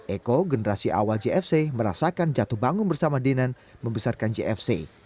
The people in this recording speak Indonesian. eko generasi awal jfc merasakan jatuh bangun bersama denan membesarkan jfc